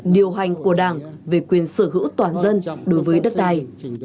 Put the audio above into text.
điều hành của đảng về quyền sở hữu toàn dân đối với đất đai